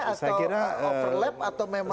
atau overlap atau memang